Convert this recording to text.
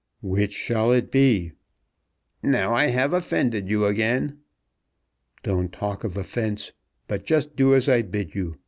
"Which shall it be?" "Now I have offended you again." "Don't talk of offence, but just do as I bid you.